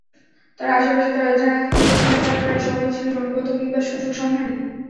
তাঁর আশপাশে যাঁরা ঘিরে ছিলেন, তাঁরা প্রায় সবাই ছিলেন অনুগত কিংবা সুযোগসন্ধানী।